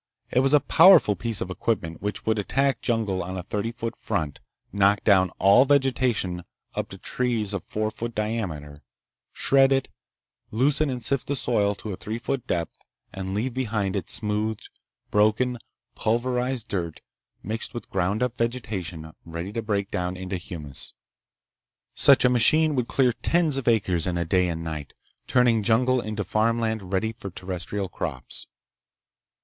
It was a powerful piece of equipment which would attack jungle on a thirty foot front, knock down all vegetation up to trees of four foot diameter, shred it, loosen and sift the soil to a three foot depth, and leave behind it smoothed, broken, pulverized dirt mixed with ground up vegetation ready to break down into humus. Such a machine would clear tens of acres in a day and night, turning jungle into farmland ready for terrestrial crops.